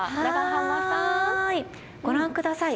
ご覧ください。